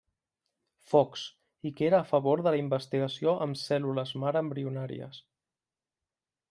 Fox, i que era a favor de la investigació amb cèl·lules mare embrionàries.